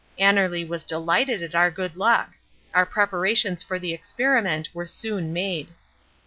Annerly was delighted at our good luck. Our preparations for the experiment were soon made.